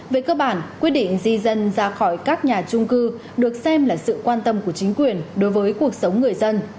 về cơ bản quyết định di dân ra khỏi các nhà trung cư được xem là sự quan tâm của chính quyền đối với cuộc sống người dân